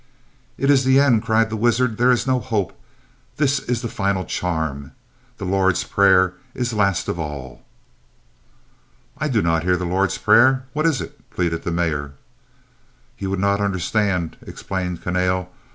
"It is the end," cried the wizard. "There is no hope. This is the final charm. The Lord's Prayer is last of all." "I do not hear the Lord's Prayer. What is it?" pleaded the Mayor. "You would not understand," explained Kahnale.